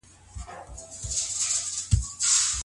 د مور اخلاق د لور پر روزنه مستقيم اغېز لري.